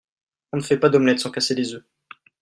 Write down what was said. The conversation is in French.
On ne fait pas d'omelette sans casser des œufs.